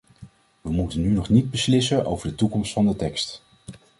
We moeten nu nog niet beslissen over de toekomst van de tekst.